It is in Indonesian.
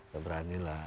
gak berani lah